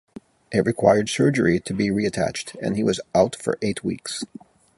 It required surgery to be reattached and he was out for eight weeks.